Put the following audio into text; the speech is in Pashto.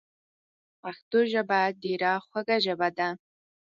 پښتو ژبه ډیره خوږه ژبه ده